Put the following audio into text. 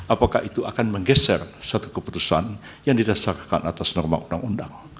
apakah itu akan menggeser suatu keputusan yang didasarkan atas norma undang undang